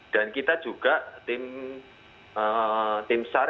dan kita juga tim sar